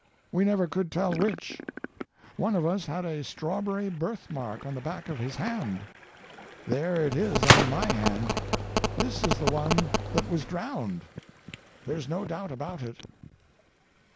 We never could tell which. One of us had a strawberry birthmark on the back of his hand. There it is on my hand. This is the one that was drowned. There's no doubt about it.